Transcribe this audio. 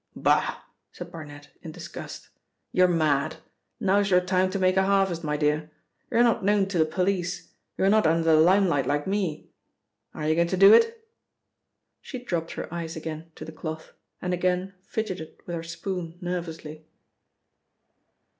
"Bah!" said Barnet in disgust. "You're mad! Now's your time to make a harvest, my dear. You're not known to the police. You're not under the limelight like me. Are you going to do it?" She dropped her eyes again to the cloth and again fidgeted with her spoon nervously.